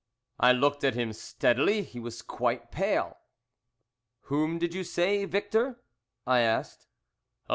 I looked at him steadily; he was quite pale. "Whom did you say, Victor?" I asked.